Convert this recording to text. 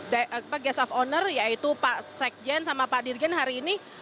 dengan guest of honor yaitu pak sekjen sama pak dirjen hari ini